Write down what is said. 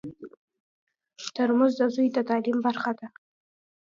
ترموز د زوی د تعلیم برخه ده.